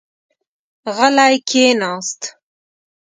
غلی کېناست.